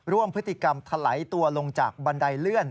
ร่วมพฤติกรรมถลายตัวลงจากบันไดเลื่อน